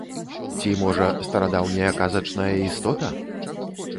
Ці, можа, старадаўняя казачная істота?